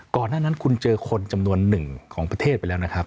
ก่อนหน้านั้นคุณเจอคนจำนวนหนึ่งของประเทศไปแล้วนะครับ